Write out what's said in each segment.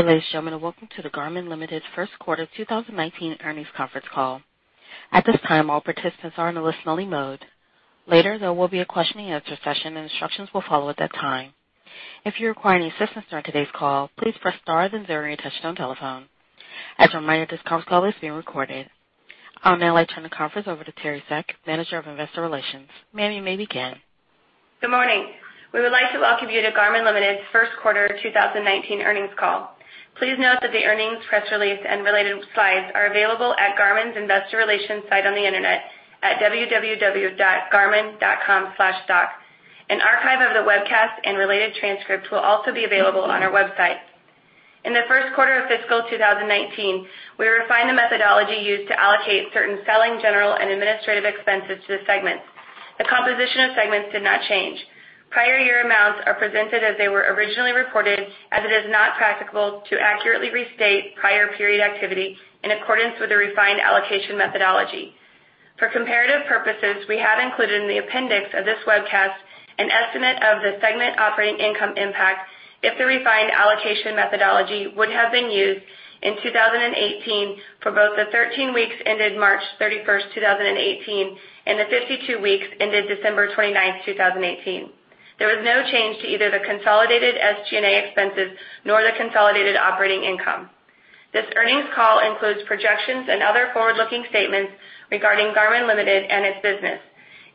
Good ladies and gentlemen, welcome to the Garmin Ltd. First Quarter 2019 Earnings Conference Call. At this time, all participants are in a listen only mode. Later, there will be a questioning and answer session, and instructions will follow at that time. If you require any assistance during today's call, please press star then zero on your touchtone telephone. As a reminder, this conference call is being recorded. I'll now let turn the conference over to Teri Seck, Manager of Investor Relations. Ma'am, you may begin. Good morning. We would like to welcome you to Garmin Ltd.'s first quarter 2019 earnings call. Please note that the earnings, press release, and related slides are available at www.garmin.com/stock. An archive of the webcast and related transcripts will also be available on our website. In the first quarter of fiscal 2019, we refined the methodology used to allocate certain selling general and administrative expenses to the segments. The composition of segments did not change. Prior year amounts are presented as they were originally reported, as it is not practicable to accurately restate prior period activity in accordance with the refined allocation methodology. For comparative purposes, we have included in the appendix of this webcast an estimate of the segment operating income impact if the refined allocation methodology would have been used in 2018 for both the 13 weeks ended March 31st, 2018, and the 52 weeks ended December 29th, 2018. There was no change to either the consolidated SG&A expenses nor the consolidated operating income. This earnings call includes projections and other forward-looking statements regarding Garmin Ltd. and its business.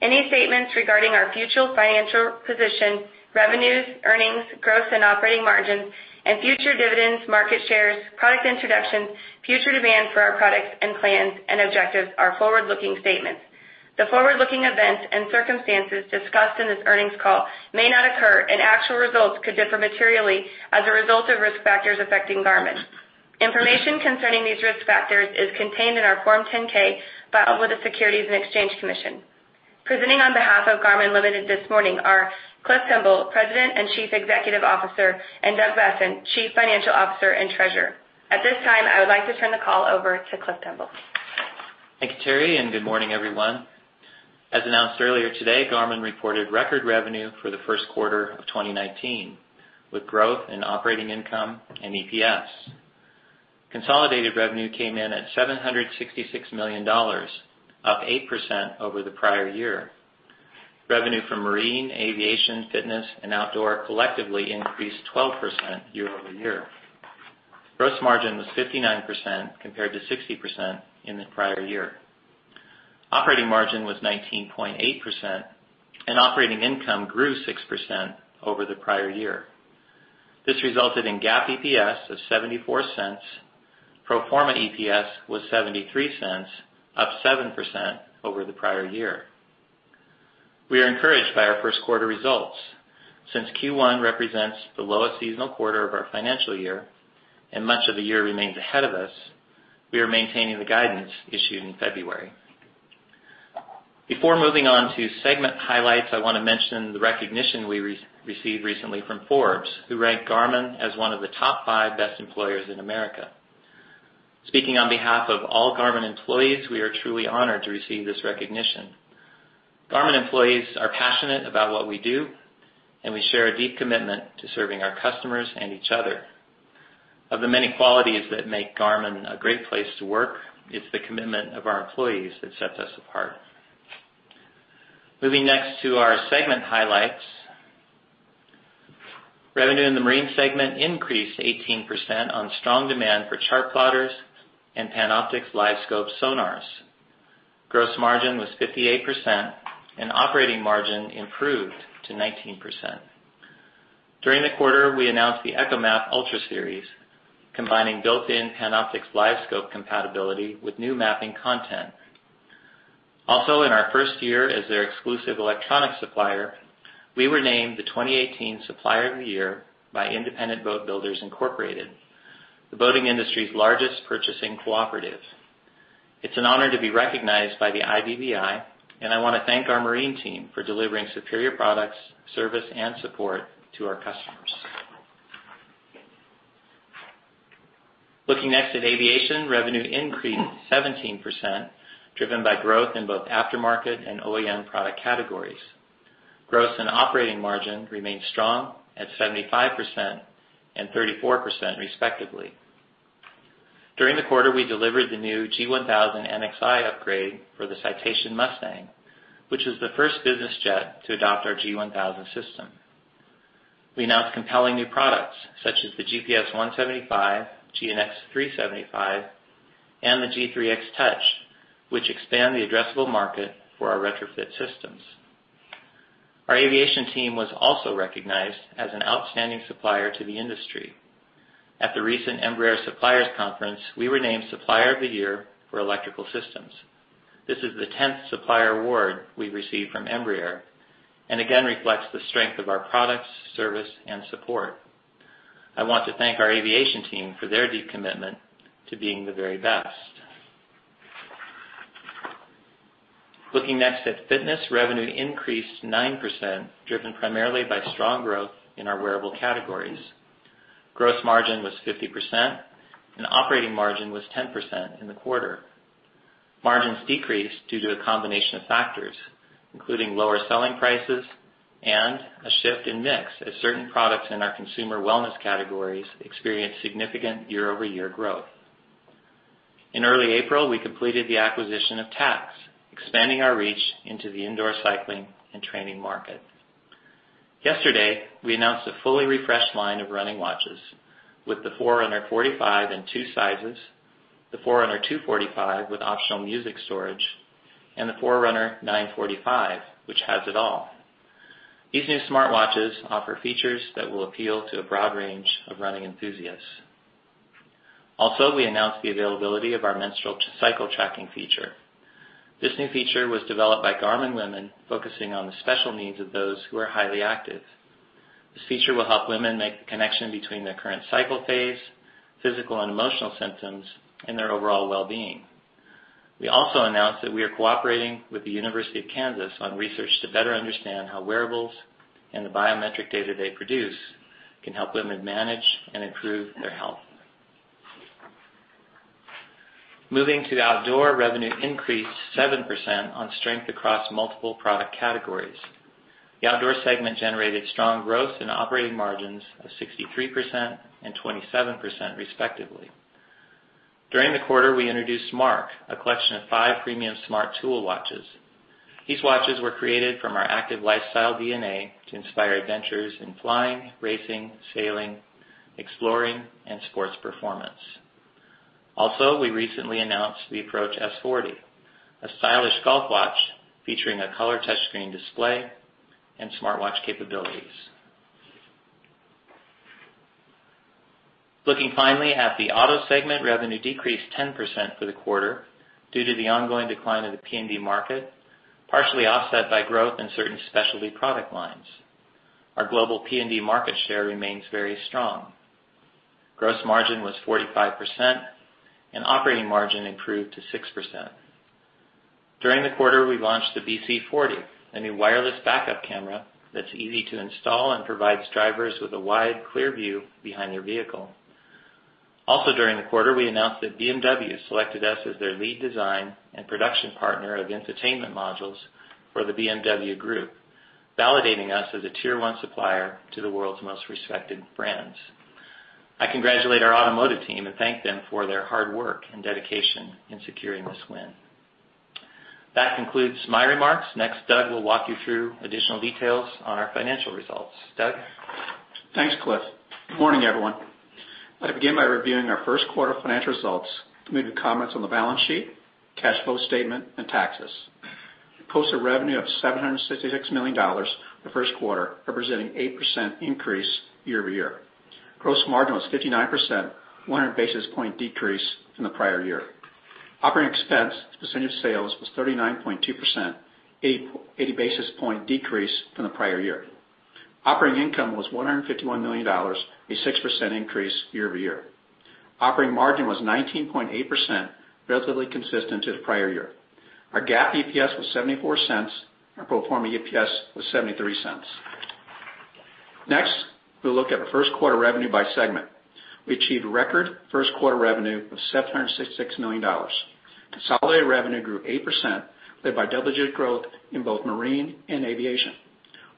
Any statements regarding our future financial position, revenues, earnings, growth and operating margins and future dividends, market shares, product introductions, future demand for our products and plans and objectives are forward-looking statements. The forward-looking events and circumstances discussed in this earnings call may not occur, and actual results could differ materially as a result of risk factors affecting Garmin. Information concerning these risk factors is contained in our Form 10-K filed with the Securities and Exchange Commission. Presenting on behalf of Garmin Ltd. this morning are Cliff Pemble, President and Chief Executive Officer, and Doug Boessen, Chief Financial Officer and Treasurer. At this time, I would like to turn the call over to Cliff Pemble. Thank you, Teri, and good morning, everyone. As announced earlier today, Garmin reported record revenue for the first quarter of 2019, with growth in operating income and EPS. Consolidated revenue came in at $766 million, up 8% over the prior year. Revenue from marine, aviation, fitness, and outdoor collectively increased 12% year-over-year. Gross margin was 59% compared to 60% in the prior year. Operating margin was 19.8%, and operating income grew 6% over the prior year. This resulted in GAAP EPS of $0.74. Pro forma EPS was $0.73, up 7% over the prior year. We are encouraged by our first quarter results. Since Q1 represents the lowest seasonal quarter of our financial year and much of the year remains ahead of us, we are maintaining the guidance issued in February. Before moving on to segment highlights, I want to mention the recognition we received recently from Forbes, who ranked Garmin as one of the top five best employers in America. Speaking on behalf of all Garmin employees, we are truly honored to receive this recognition. Garmin employees are passionate about what we do, and we share a deep commitment to serving our customers and each other. Of the many qualities that make Garmin a great place to work, it's the commitment of our employees that sets us apart. Moving next to our segment highlights. Revenue in the marine segment increased 18% on strong demand for chart plotters and Panoptix LiveScope sonars. Gross margin was 58% and operating margin improved to 19%. During the quarter, we announced the ECHOMAP Ultra Series, combining built-in Panoptix LiveScope compatibility with new mapping content. Also, in our first year as their exclusive electronic supplier, we were named the 2018 Supplier of the Year by Independent Boat Builders, Inc., the boating industry's largest purchasing cooperative. It's an honor to be recognized by the IBBI, and I want to thank our marine team for delivering superior products, service, and support to our customers. Looking next at aviation, revenue increased 17%, driven by growth in both aftermarket and OEM product categories. Gross and operating margin remained strong at 75% and 34%, respectively. During the quarter, we delivered the new G1000 NXi upgrade for the Citation Mustang, which is the first business jet to adopt our G1000 system. We announced compelling new products such as the GPS 175, GNX 375, and the G3X Touch, which expand the addressable market for our retrofit systems. Our aviation team was also recognized as an outstanding supplier to the industry. At the recent Embraer Suppliers Conference, we were named Supplier of the Year for electrical systems. This is the 10th supplier award we've received from Embraer and again reflects the strength of our products, service, and support. I want to thank our aviation team for their deep commitment to being the very best. Looking next at fitness, revenue increased 9%, driven primarily by strong growth in our wearable categories. Gross margin was 50% and operating margin was 10% in the quarter. Margins decreased due to a combination of factors, including lower selling prices and a shift in mix as certain products in our consumer wellness categories experienced significant year-over-year growth. In early April, we completed the acquisition of Tacx, expanding our reach into the indoor cycling and training market. We announced a fully refreshed line of running watches with the Forerunner 45 in two sizes, the Forerunner 245 with optional music storage, and the Forerunner 945, which has it all. These new smartwatches offer features that will appeal to a broad range of running enthusiasts. We announced the availability of our menstrual cycle tracking feature. This new feature was developed by Garmin Women, focusing on the special needs of those who are highly active. This feature will help women make the connection between their current cycle phase, physical and emotional symptoms, and their overall wellbeing. We announced that we are cooperating with the University of Kansas on research to better understand how wearables and the biometric data they produce can help women manage and improve their health. Moving to Outdoor, revenue increased 7% on strength across multiple product categories. The Outdoor segment generated strong growth in operating margins of 63% and 27%, respectively. During the quarter, we introduced MARQ, a collection of five premium smart tool watches. These watches were created from our active lifestyle DNA to inspire adventures in flying, racing, sailing, exploring, and sports performance. We recently announced the Approach S40, a stylish golf watch featuring a color touchscreen display and smartwatch capabilities. Looking finally at the Auto segment, revenue decreased 10% for the quarter due to the ongoing decline in the PND market, partially offset by growth in certain specialty product lines. Our global PND market share remains very strong. Gross margin was 45%, and operating margin improved to 6%. During the quarter, we launched the BC 40, a new wireless backup camera that's easy to install and provides drivers with a wide, clear view behind their vehicle. During the quarter, we announced that BMW selected us as their lead design and production partner of entertainment modules for the BMW Group, validating us as a tier 1 supplier to the world's most respected brands. I congratulate our automotive team and thank them for their hard work and dedication in securing this win. That concludes my remarks. Doug will walk you through additional details on our financial results. Doug? Thanks, Cliff. Good morning, everyone. I begin by reviewing our first quarter financial results, including comments on the balance sheet, cash flow statement, and taxes. We posted revenue of $766 million in the first quarter, representing 8% increase year-over-year. Gross margin was 59%, a 100 basis point decrease from the prior year. Operating expense as a percentage of sales was 39.2%, 80 basis point decrease from the prior year. Operating income was $151 million, a 6% increase year-over-year. Operating margin was 19.8%, relatively consistent to the prior year. Our GAAP EPS was $0.74, and our pro forma EPS was $0.73. We'll look at the first quarter revenue by segment. We achieved record first quarter revenue of $766 million. Consolidated revenue grew 8%, led by double-digit growth in both Marine and Aviation.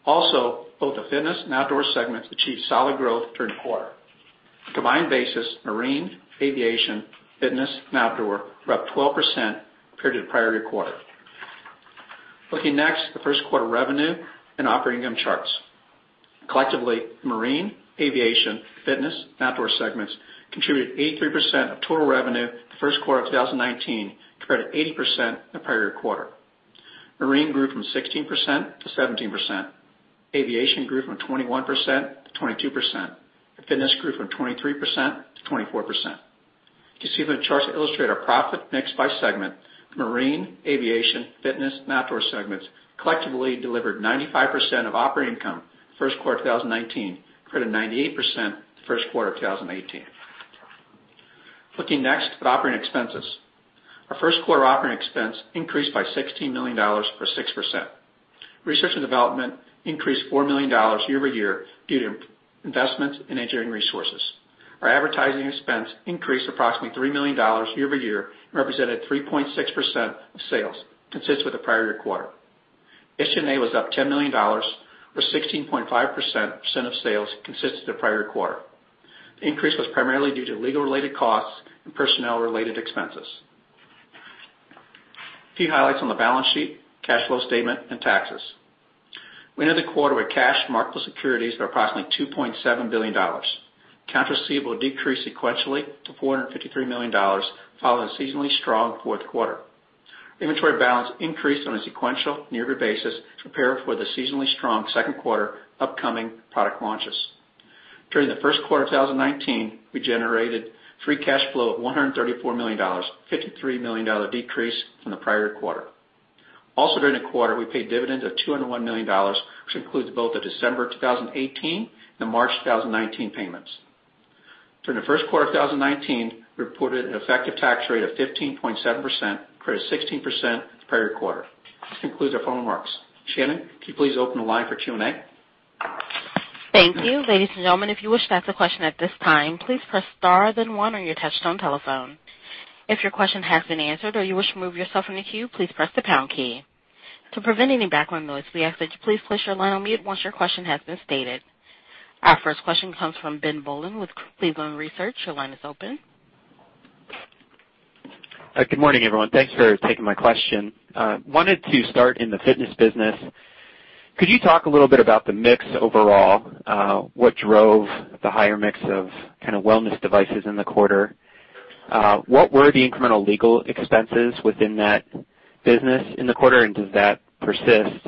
Both the Fitness and Outdoor segments achieved solid growth during the quarter. On a combined basis, marine, aviation, fitness, and outdoor were up 12% compared to the prior year quarter. Looking next at the first quarter revenue and operating income charts. Collectively, marine, aviation, fitness, and outdoor segments contributed 83% of total revenue in the first quarter of 2019, compared to 80% in the prior quarter. Marine grew from 16% to 17%. Aviation grew from 21% to 22%, and fitness grew from 23% to 24%. You can see the charts that illustrate our profit mix by segment. Marine, aviation, fitness, and outdoor segments collectively delivered 95% of operating income in the first quarter of 2019, compared to 98% in the first quarter of 2018. Looking next at operating expenses. Our first quarter operating expense increased by $16 million, or 6%. Research and development increased $4 million year-over-year due to investments in engineering resources. Our advertising expense increased approximately $3 million year-over-year and represented 3.6% of sales, consistent with the prior year quarter. SG&A was up $10 million, or 16.5% of sales consistent with the prior quarter. The increase was primarily due to legal related costs and personnel related expenses. A few highlights on the balance sheet, cash flow statement, and taxes. We ended the quarter with cash and marketable securities of approximately $2.7 billion. Accounts receivable decreased sequentially to $453 million, following a seasonally strong fourth quarter. Inventory balance increased on a sequential and year-over-year basis to prepare for the seasonally strong second quarter upcoming product launches. During the first quarter of 2019, we generated free cash flow of $134 million, a $53 million decrease from the prior quarter. During the quarter, we paid dividends of $201 million, which includes both the December 2018 and the March 2019 payments. During the first quarter of 2019, we reported an effective tax rate of 15.7%, compared to 16% the prior quarter. This concludes our formal remarks. Shannon, can you please open the line for Q&A? Thank you. Ladies and gentlemen, if you wish to ask a question at this time, please press star then one on your touchtone telephone. If your question has been answered or you wish to remove yourself from the queue, please press the pound key. To prevent any background noise, we ask that you please place your line on mute once your question has been stated. Our first question comes from Ben Bollin with Cleveland Research. Your line is open. Good morning, everyone. Thanks for taking my question. I wanted to start in the fitness business. Could you talk a little bit about the mix overall, what drove the higher mix of wellness devices in the quarter? What were the incremental legal expenses within that business in the quarter, and does that persist?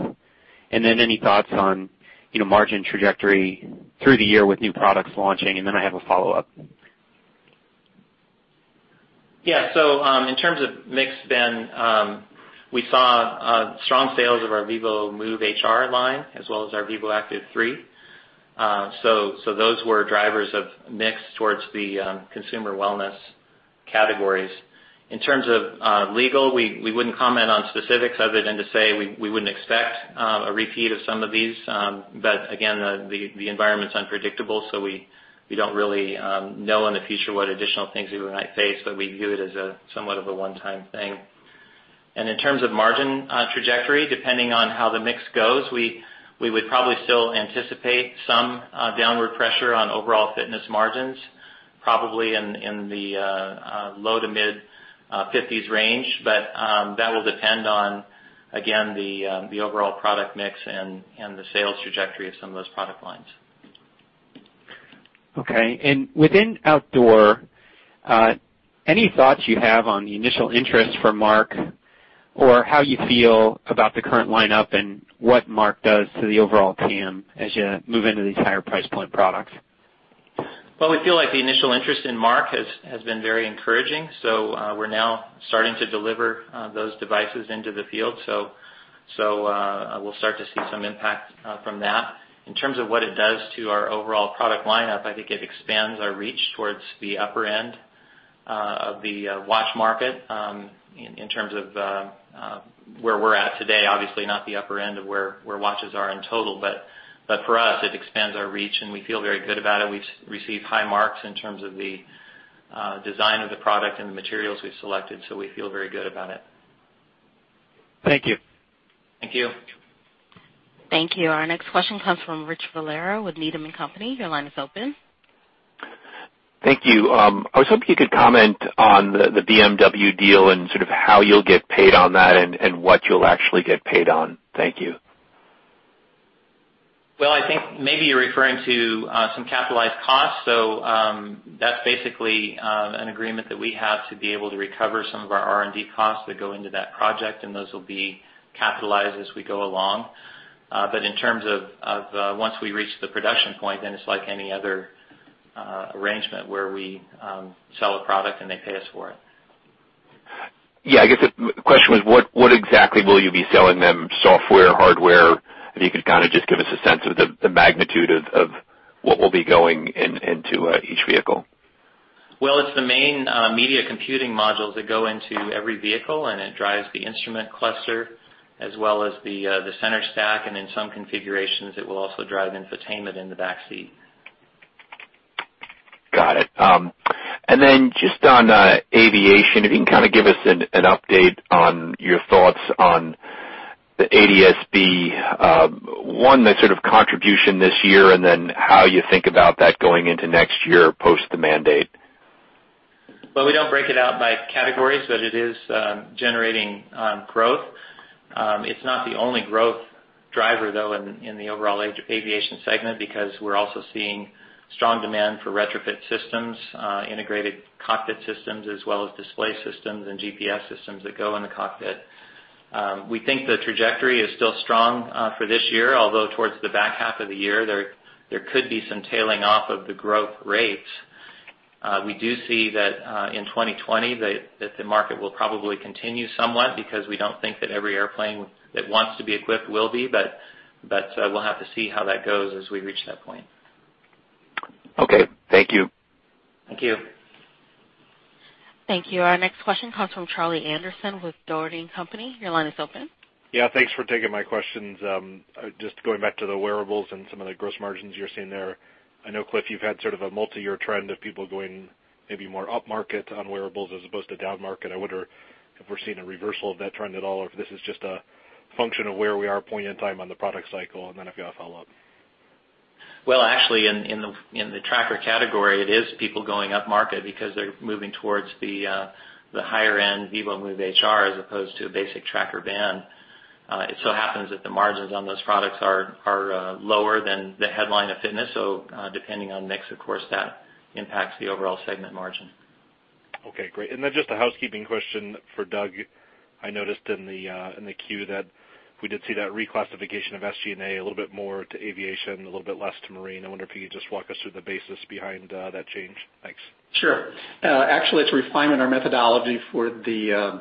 Any thoughts on margin trajectory through the year with new products launching, I have a follow-up. Yeah. In terms of mix, Ben, we saw strong sales of our vívomove HR line as well as our vívoactive 3. Those were drivers of mix towards the consumer wellness categories. In terms of legal, we wouldn't comment on specifics other than to say we wouldn't expect a repeat of some of these. Again, the environment's unpredictable, so we don't really know in the future what additional things we might face, but we view it as somewhat of a one-time thing. In terms of margin trajectory, depending on how the mix goes, we would probably still anticipate some downward pressure on overall fitness margins, probably in the low to mid-50% range. That will depend on, again, the overall product mix and the sales trajectory of some of those product lines. Okay. Within outdoor, any thoughts you have on the initial interest for MARQ, or how you feel about the current lineup and what MARQ does to the overall TAM as you move into these higher price point products? Well, we feel like the initial interest in MARQ has been very encouraging. We're now starting to deliver those devices into the field. We'll start to see some impact from that. In terms of what it does to our overall product lineup, I think it expands our reach towards the upper end of the watch market, in terms of where we're at today, obviously not the upper end of where watches are in total. For us, it expands our reach, and we feel very good about it. We've received high marks in terms of the design of the product and the materials we've selected, so we feel very good about it. Thank you. Thank you. Thank you. Our next question comes from Richard Valera with Needham & Company. Your line is open. Thank you. I was hoping you could comment on the BMW deal and sort of how you will get paid on that and what you will actually get paid on. Thank you. I think maybe you're referring to some capitalized costs. That's basically an agreement that we have to be able to recover some of our R&D costs that go into that project, and those will be capitalized as we go along. In terms of once we reach the production point, then it's like any other arrangement where we sell a product and they pay us for it. I guess the question was what exactly will you be selling them, software, hardware? If you could kind of just give us a sense of the magnitude of what will be going into each vehicle? It's the main media computing modules that go into every vehicle, and it drives the instrument cluster as well as the center stack, and in some configurations, it will also drive infotainment in the back seat. Got it. Just on aviation, if you can kind of give us an update on your thoughts on the ADS-B. One, the sort of contribution this year, and then how you think about that going into next year post the mandate? Well, we don't break it out by categories, but it is generating growth. It's not the only growth driver, though, in the overall aviation segment, because we're also seeing strong demand for retrofit systems, integrated cockpit systems, as well as display systems and GPS systems that go in the cockpit. We think the trajectory is still strong for this year, although towards the back half of the year, there could be some tailing off of the growth rate. We do see that in 2020 that the market will probably continue somewhat because we don't think that every airplane that wants to be equipped will be, but we'll have to see how that goes as we reach that point. Okay. Thank you. Thank you. Thank you. Our next question comes from Charlie Anderson with Dougherty & Company. Your line is open. Yeah. Thanks for taking my questions. Just going back to the wearables and some of the gross margins you're seeing there. I know, Cliff, you've had sort of a multi-year trend of people going maybe more upmarket on wearables as opposed to downmarket. I wonder if we're seeing a reversal of that trend at all, or if this is just a function of where we are point in time on the product cycle. I've got a follow-up. Well, actually, in the tracker category, it is people going upmarket because they're moving towards the higher-end vívomove HR as opposed to a basic tracker band. It so happens that the margins on those products are lower than the headline of fitness. Depending on mix, of course, that impacts the overall segment margin. Okay, great. Just a housekeeping question for Doug. I noticed in the queue that we did see that reclassification of SG&A a little bit more to aviation, a little bit less to marine. I wonder if you could just walk us through the basis behind that change. Thanks. Sure. Actually, it's refinement our methodology for the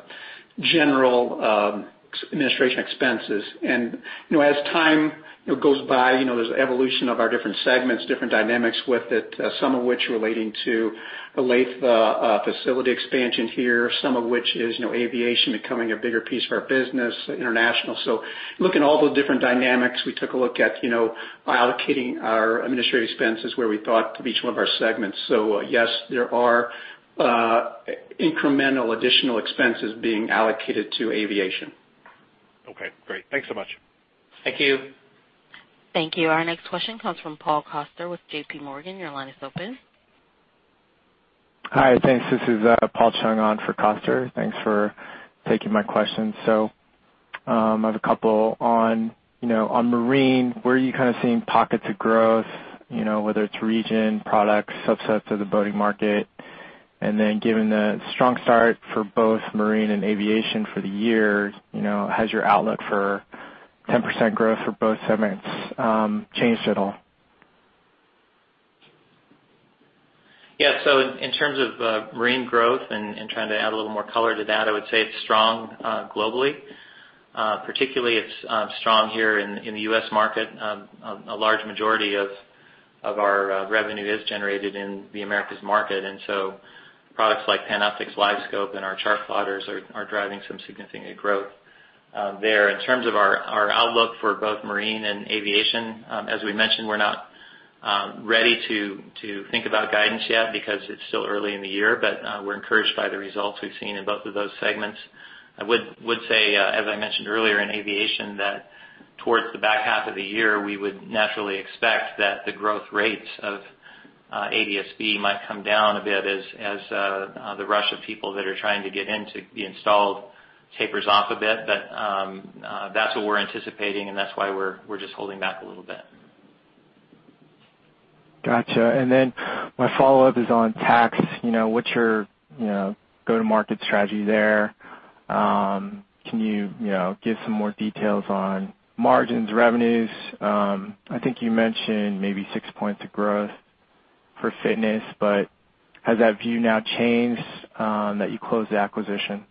general administration expenses. As time goes by, there's evolution of our different segments, different dynamics with it, some of which relating to the Olathe facility expansion here, some of which is aviation becoming a bigger piece of our business, international. Looking at all the different dynamics, we took a look at allocating our administrative expenses where we thought to be each one of our segments. Yes, there are incremental additional expenses being allocated to aviation. Okay, great. Thanks so much. Thank you. Thank you. Our next question comes from Paul Coster with JPMorgan. Your line is open. Hi, thanks. This is Paul Chung on for Coster. Thanks for taking my question. I have a couple. On marine, where are you kind of seeing pockets of growth, whether it's region, products, subsets of the boating market? Given the strong start for both marine and aviation for the year, has your outlook for 10% growth for both segments changed at all? In terms of marine growth and trying to add a little more color to that, I would say it's strong globally. Particularly it's strong here in the U.S. market. A large majority of our revenue is generated in the Americas market, products like Panoptix LiveScope and our chart plotters are driving some significant growth there. In terms of our outlook for both marine and aviation, as we mentioned, we're not ready to think about guidance yet because it's still early in the year, we're encouraged by the results we've seen in both of those segments. I would say, as I mentioned earlier, in aviation that towards the back half of the year, we would naturally expect that the growth rates of ADS-B might come down a bit as the rush of people that are trying to get in to be installed tapers off a bit. That's what we're anticipating, that's why we're just holding back a little bit. Got you. My follow-up is on Tacx. What's your go-to-market strategy there? Can you give some more details on margins, revenues? I think you mentioned maybe six points of growth for fitness, has that view now changed now that you closed the acquisition?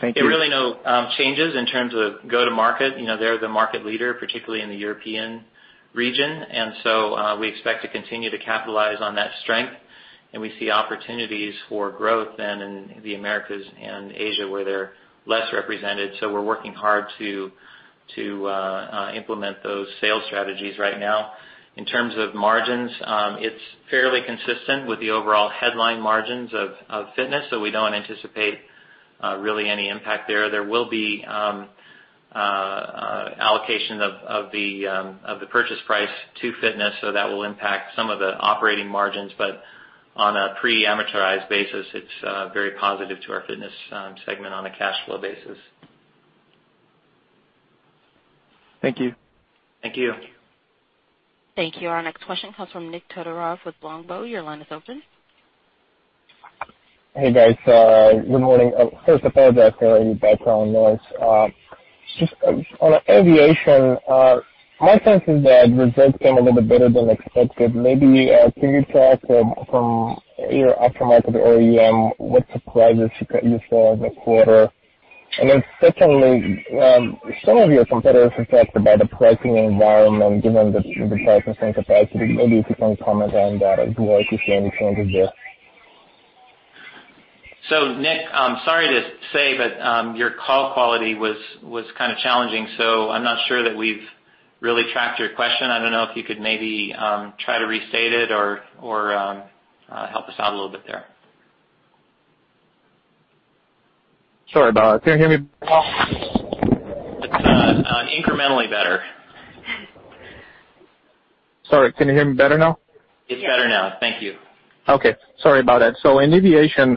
Thank you. There are really no changes in terms of go to market. They're the market leader, particularly in the European region. We expect to continue to capitalize on that strength, we see opportunities for growth then in the Americas and Asia, where they're less represented. We're working hard to implement those sales strategies right now. In terms of margins, it's fairly consistent with the overall headline margins of fitness, we don't anticipate really any impact there. There will be allocation of the purchase price to fitness, that will impact some of the operating margins. On a pre-amortized basis, it's very positive to our fitness segment on a cash flow basis. Thank you. Thank you. Thank you. Our next question comes from Nikolay Todorov with Longbow. Your line is open. Hey, guys. Good morning. First, apologize for any background noise. Just on aviation, my sense is that results came a little bit better than expected. Maybe can you talk from either aftermarket or OEM, what surprises you saw in the quarter? Secondly, some of your competitors have talked about the pricing environment given the capacity. Maybe if you can comment on that, if you see any changes there. Nik, I'm sorry to say, but your call quality was kind of challenging, so I'm not sure that we've really tracked your question. I don't know if you could maybe try to restate it or help us out a little bit there. Sorry about that. Can you hear me now? It's incrementally better. Sorry, can you hear me better now? It's better now. Thank you. Okay, sorry about that. In aviation,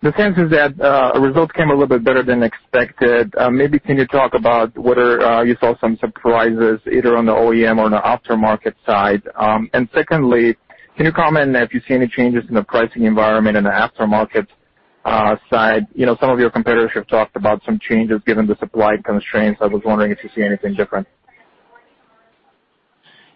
the sense is that results came a little bit better than expected. Maybe can you talk about whether you saw some surprises either on the OEM or on the aftermarket side? Secondly, can you comment if you see any changes in the pricing environment in the aftermarket side? Some of your competitors have talked about some changes given the supply constraints. I was wondering if you see anything different.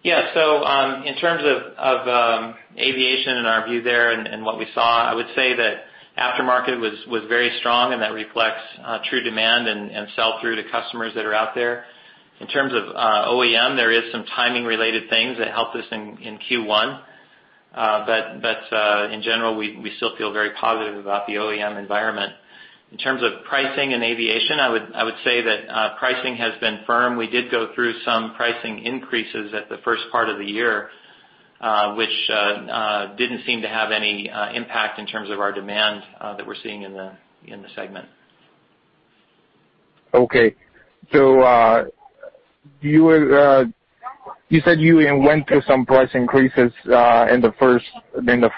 Yeah. In terms of aviation and our view there and what we saw, I would say that aftermarket was very strong, and that reflects true demand and sell-through to customers that are out there. In terms of OEM, there is some timing-related things that helped us in Q1. In general, we still feel very positive about the OEM environment. In terms of pricing and aviation, I would say that pricing has been firm. We did go through some pricing increases at the first part of the year, which didn't seem to have any impact in terms of our demand that we're seeing in the segment. Okay. You said you went through some price increases in the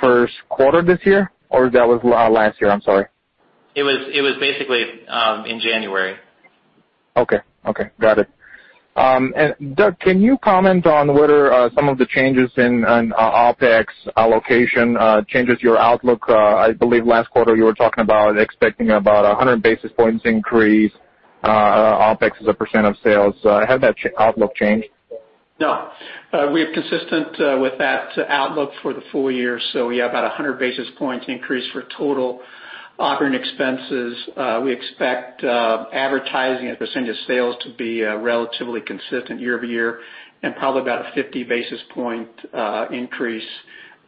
first quarter this year, or that was last year? I'm sorry. It was basically in January. Okay. Got it. Doug, can you comment on whether some of the changes in OpEx allocation changes your outlook? I believe last quarter you were talking about expecting about 100 basis points increase, OpEx as a % of sales. Has that outlook changed? No. We are consistent with that outlook for the full year. We have about 100 basis points increase for total operating expenses. We expect advertising as a % of sales to be relatively consistent year-over-year, probably about a 50 basis point increase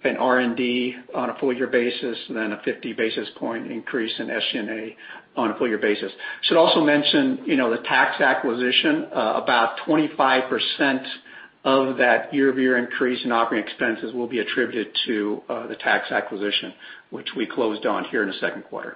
in R&D on a full year basis, then a 50 basis point increase in SG&A on a full year basis. I should also mention, the Tacx acquisition, about 25% of that year-over-year increase in operating expenses will be attributed to the Tacx acquisition, which we closed on here in the second quarter.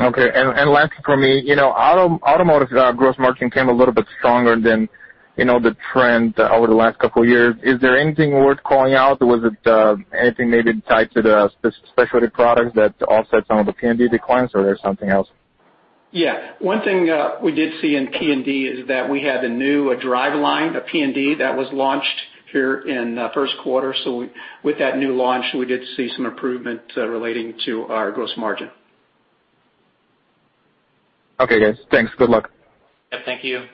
Okay. Last for me, automotive gross margin came a little bit stronger than the trend over the last couple years. Is there anything worth calling out? Was it anything maybe tied to the specialty products that offset some of the PND declines, or there's something else? Yeah. One thing we did see in PND is that we had a new driveline, a PND, that was launched here in the first quarter. With that new launch, we did see some improvement relating to our gross margin. Okay, guys. Thanks. Good luck. Yeah, thank you.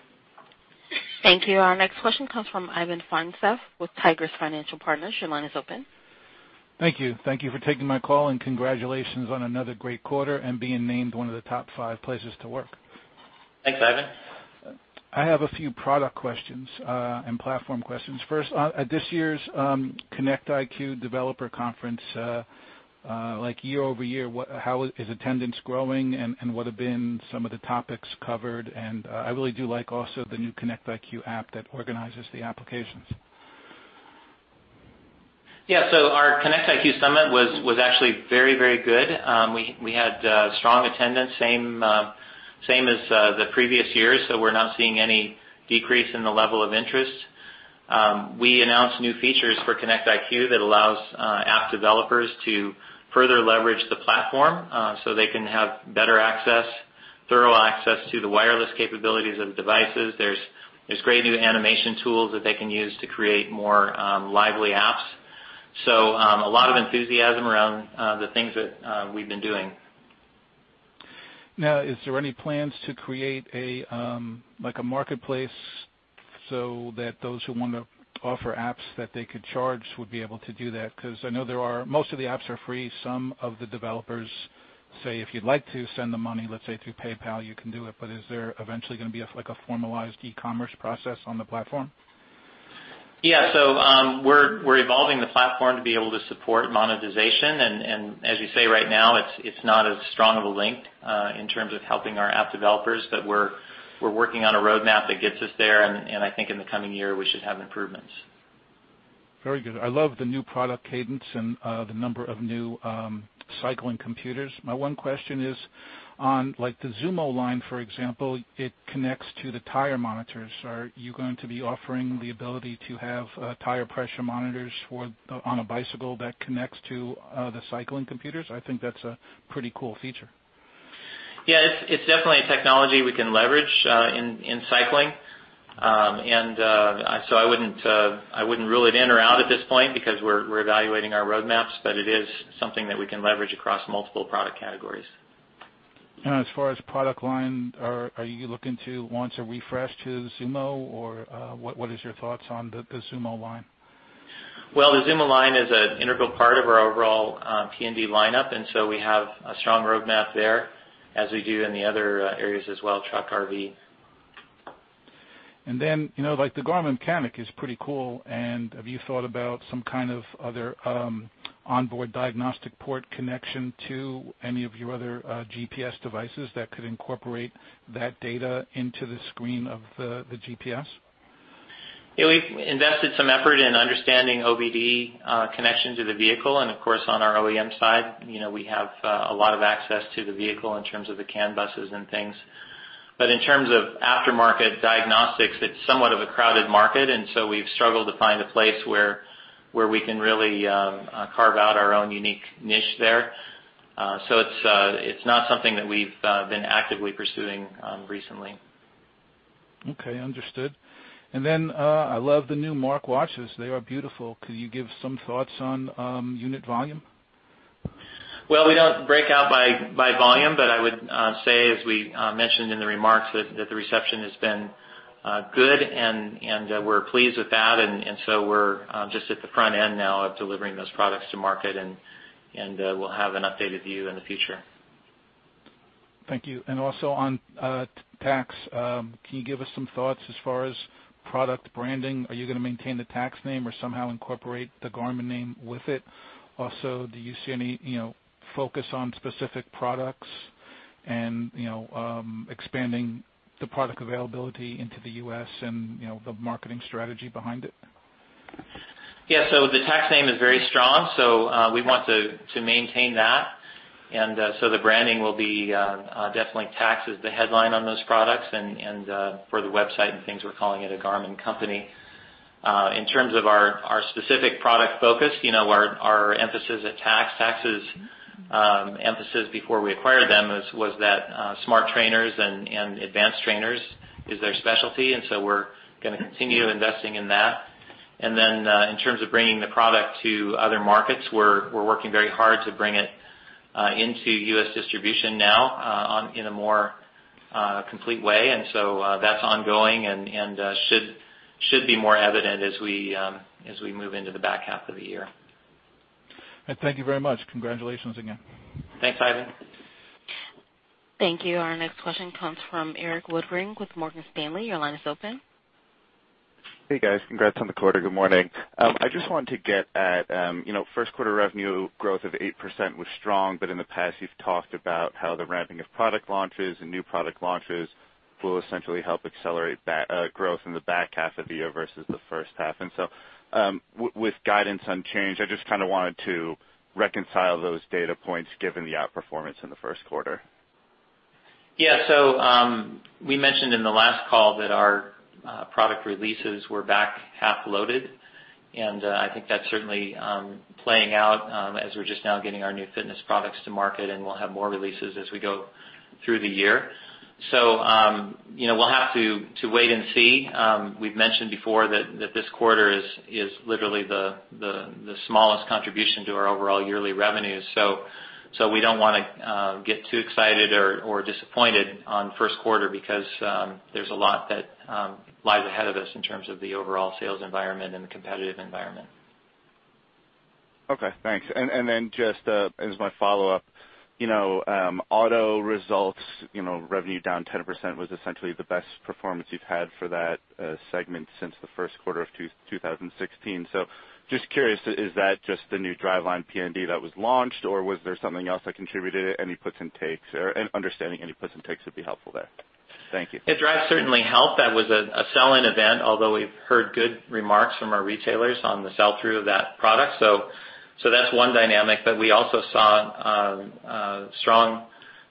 Thank you. Our next question comes from Ivan Feinseth with Tigress Financial Partners. Your line is open. Thank you. Thank you for taking my call, and congratulations on another great quarter and being named one of the top five places to work. Thanks, Ivan. I have a few product questions and platform questions. First, at this year's Connect IQ Developer Conference, like year-over-year, how is attendance growing and what have been some of the topics covered? I really do like also the new Connect IQ app that organizes the applications. Yeah. Our Connect IQ Summit was actually very, very good. We had strong attendance, same as the previous years, we're not seeing any decrease in the level of interest. We announced new features for Connect IQ that allows app developers to further leverage the platform, they can have better access, thorough access to the wireless capabilities of the devices. There's great new animation tools that they can use to create more lively apps. A lot of enthusiasm around the things that we've been doing. Is there any plans to create a marketplace so that those who want to offer apps that they could charge would be able to do that? Because I know most of the apps are free. Some of the developers say if you'd like to send the money, let's say through PayPal, you can do it, but is there eventually going to be a formalized e-commerce process on the platform? Yeah. We're evolving the platform to be able to support monetization, and as you say, right now, it's not as strong of a link in terms of helping our app developers. We're working on a roadmap that gets us there, and I think in the coming year, we should have improvements. Very good. I love the new product cadence and the number of new cycling computers. My one question is on, like the zūmo line, for example, it connects to the tire monitors. Are you going to be offering the ability to have tire pressure monitors on a bicycle that connects to the cycling computers? I think that's a pretty cool feature. Yeah, it's definitely a technology we can leverage in cycling. I wouldn't rule it in or out at this point because we're evaluating our roadmaps, it is something that we can leverage across multiple product categories. As far as product line, are you looking to launch a refresh to the zūmo, or what is your thoughts on the zūmo line? Well, the zūmo line is an integral part of our overall PND lineup, and so we have a strong roadmap there, as we do in the other areas as well, truck, RV. Like the Garmin Mechanic is pretty cool, have you thought about some kind of other onboard diagnostic port connection to any of your other GPS devices that could incorporate that data into the screen of the GPS? Yeah. We've invested some effort in understanding OBD connections of the vehicle, of course, on our OEM side, we have a lot of access to the vehicle in terms of the CAN buses and things. In terms of aftermarket diagnostics, it's somewhat of a crowded market, and so we've struggled to find a place where we can really carve out our own unique niche there. It's not something that we've been actively pursuing recently. Okay. Understood. I love the new MARQ watches. They are beautiful. Could you give some thoughts on unit volume? Well, we don't break out by volume, but I would say, as we mentioned in the remarks, that the reception has been good and we're pleased with that. We're just at the front end now of delivering those products to market and we'll have an updated view in the future. Thank you. On Tacx, can you give us some thoughts as far as product branding? Are you going to maintain the Tacx name or somehow incorporate the Garmin name with it? Also, do you see any focus on specific products and expanding the product availability into the U.S. and the marketing strategy behind it? Yeah. The Tacx name is very strong, so we want to maintain that. The branding will be definitely Tacx as the headline on those products and for the website and things, we're calling it a Garmin company. In terms of our specific product focus, our emphasis at Tacx's emphasis before we acquired them was that smart trainers and advanced trainers is their specialty, and so we're going to continue investing in that. In terms of bringing the product to other markets, we're working very hard to bring it into U.S. distribution now in a more complete way. That's ongoing and should be more evident as we move into the back half of the year. Thank you very much. Congratulations again. Thanks, Ivan. Thank you. Our next question comes from Erik Woodring with Morgan Stanley. Your line is open. Hey, guys. Congrats on the quarter. Good morning. I just wanted to get at, first quarter revenue growth of 8% was strong, but in the past, you've talked about how the ramping of product launches and new product launches will essentially help accelerate growth in the back half of the year versus the first half. With guidance unchanged, I just kind of wanted to reconcile those data points given the outperformance in the first quarter. Yeah. We mentioned in the last call that our product releases were back half loaded, and I think that's certainly playing out as we're just now getting our new fitness products to market, and we'll have more releases as we go through the year. We'll have to wait and see. We've mentioned before that this quarter is literally the smallest contribution to our overall yearly revenues. We don't want to get too excited or disappointed on first quarter because there's a lot that lies ahead of us in terms of the overall sales environment and the competitive environment. Okay, thanks. Just as my follow-up, auto results, revenue down 10% was essentially the best performance you've had for that segment since the first quarter of 2016. Just curious, is that just the new Drive PND that was launched or was there something else that contributed? Any puts and takes, or understanding any puts and takes would be helpful there. Thank you. Yeah, Drive certainly helped. That was a sell-in event, although we've heard good remarks from our retailers on the sell-through of that product. That's one dynamic. We also saw strong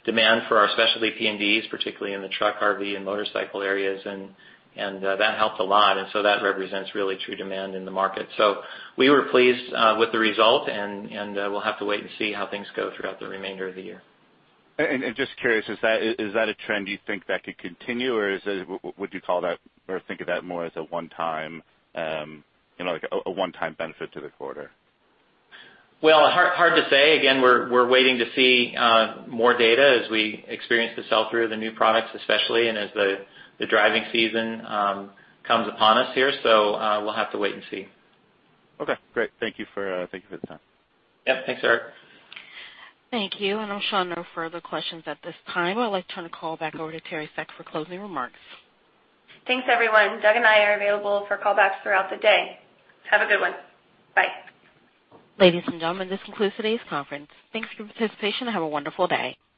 demand for our specialty PNDs, particularly in the truck, RV, and motorcycle areas, and that helped a lot. That represents really true demand in the market. We were pleased with the result, and we'll have to wait and see how things go throughout the remainder of the year. Just curious, is that a trend you think that could continue, or would you call that or think of that more as a one-time benefit to the quarter? Hard to say. We're waiting to see more data as we experience the sell-through of the new products, especially, and as the driving season comes upon us here. We'll have to wait and see. Great. Thank you for the time. Yep. Thanks, Erik. Thank you. I'm showing no further questions at this time. I would like to turn the call back over to Teri Seck for closing remarks. Thanks, everyone. Doug and I are available for callbacks throughout the day. Have a good one. Bye. Ladies and gentlemen, this concludes today's conference. Thanks for your participation and have a wonderful day.